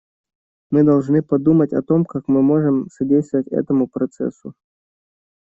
Мы должны подумать о том, как мы можем содействовать этому процессу.